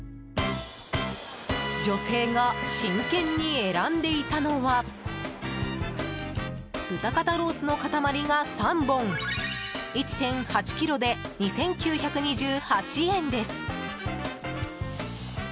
女性が真剣に選んでいたのは豚肩ロースの塊が３本１．８ｋｇで２９２８円です。